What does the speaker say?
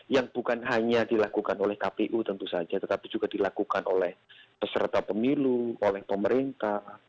yang bukan hanya dilakukan oleh kpu tentu saja tetapi juga dilakukan oleh peserta pemilu oleh pemerintah